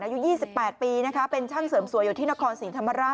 อายุ๒๘ปีเป็นช่างเสริมสวยอยู่ที่นครศิลป์ธรรมดา